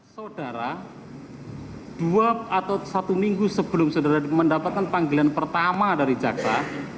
saudara dua atau satu minggu sebelum saudara mendapatkan panggilan pertama dari jaksa